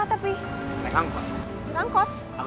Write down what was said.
aduh biar tersanggung nanti